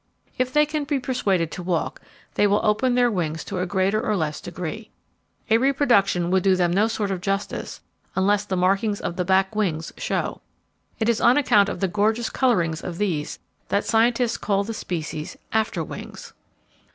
If they can be persuaded to walk, they will open their wings to a greater or less degree. A reproduction would do them no sort of justice unless the markings of the back wings show. It is on account of the gorgeous colourings of these that scientists call the species 'afterwings.'